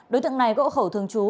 đối tượng này gỗ khẩu thường trú